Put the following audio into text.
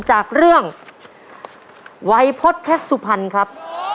จากเรื่องวัยพจน์แพทย์สุพรรณครับ